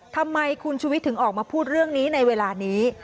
ทำไมคุณชุวิตถึงออกมาพูดเรื่องนี้ในเวลานี้